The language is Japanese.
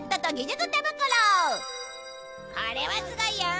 これはすごいよ